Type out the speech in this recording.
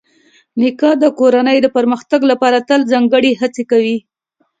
نیکه د کورنۍ د پرمختګ لپاره تل ځانګړې هڅې کوي.